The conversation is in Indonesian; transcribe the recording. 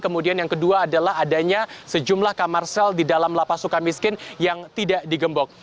kemudian yang kedua adalah adanya sejumlah kamar sel di dalam lapas suka miskin yang tidak digembok